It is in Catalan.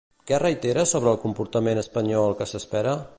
Què reitera sobre el comportament espanyol que s'espera?